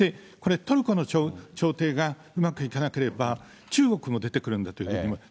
これ、トルコの調停がうまくいかなければ、中国も出てくるんだというふうに思う。